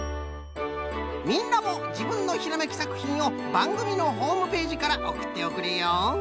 みんなもじぶんのひらめきさくひんをばんぐみのホームページからおくっておくれよ！